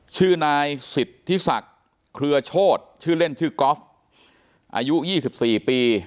ชื่อนายสิทธิศักดิ์เคลือโชธชื่อเล่นชื่อกอล์ฟอายุยี่สิบสี่ปี